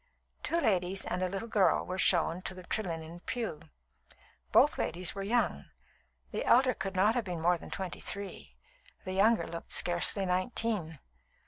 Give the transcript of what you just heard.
Two ladies and a little girl were shown to the Trelinnen pew. Both ladies were young; the elder could not have been more than twenty three, the younger looked scarcely nineteen.